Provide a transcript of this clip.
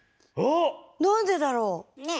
なんでだろう⁉ねえ。